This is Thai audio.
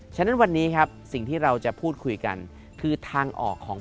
ฉะนั้นวันนี้ครับสิ่งที่เราจะพูดคุยกันคือทางออกของ